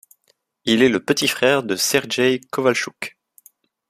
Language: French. Il est le petit frère de Sergey Kovalchuk.